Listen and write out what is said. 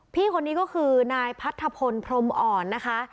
พี่คนนี้ก็คือนายพัทธพลพรมอ่อนนะคะ